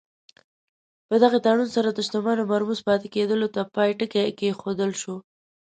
په دغه تړون سره د شتمنیو مرموز پاتې کېدلو ته پای ټکی کېښودل شو.